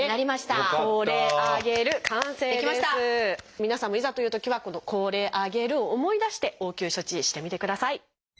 皆さんもいざというときはこの「これあげる」を思い出して応急処置してみてください。